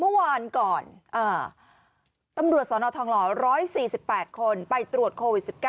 เมื่อวานก่อนตำรวจสนทองหล่อ๑๔๘คนไปตรวจโควิด๑๙